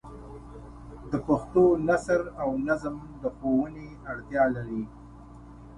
د پښتو نثر او نظم د ښوونې اړتیا لري.